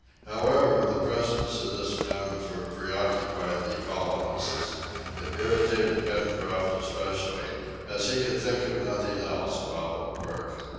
However, the presence of this mammifer preoccupied the colonists. It irritated Pencroft especially, as he could think of nothing else while at work.